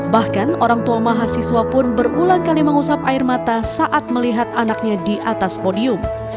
bahkan orang tua mahasiswa pun berulang kali mengusap air mata saat melihat anaknya di atas podium